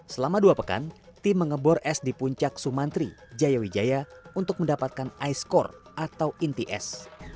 selama dua pekan tim mengebor es di puncak sumantri jayawijaya untuk mendapatkan ice core atau inti es